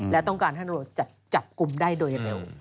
และต้องการให้ตำรวจจับกลุ่มได้โดยเร็ว